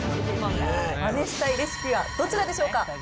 マネしたいレシピはどちらでしょうか。